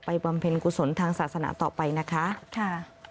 บำเพ็ญกุศลทางศาสนาต่อไปนะคะค่ะ